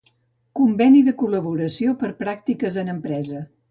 Conveni de col·laboració per a pràctiques en empresa.